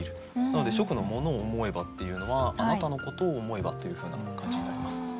なので初句の「もの思へば」っていうのは「あなたのことを思えば」というふうな感じになります。